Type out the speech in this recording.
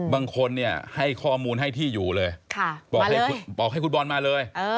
บางคนเนี่ยให้ข้อมูลให้ที่อยู่เลยบอกให้คุณบอลมาเลย